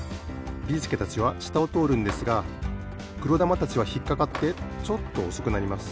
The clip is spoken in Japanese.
ビーすけたちはしたをとおるんですがくろだまたちはひっかかってちょっとおそくなります。